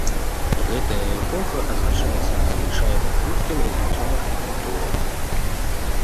Гэтая эпоха адзначаецца незвычайна хуткім развіццём архітэктуры.